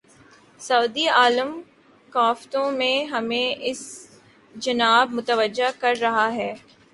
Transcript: سعودی عالم کا فتوی ہمیں اس جانب متوجہ کر رہا ہے۔